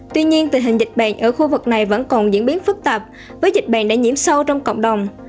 tuy nhiên tình hình dịch bệnh ở khu vực này vẫn còn diễn biến phức tạp với dịch bệnh đã nhiễm sâu trong cộng đồng